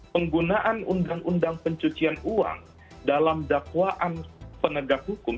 penggunaan undang undang pencucian uang dalam dakwaan penegak hukum